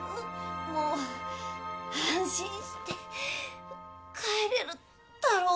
安心して帰れるだろ？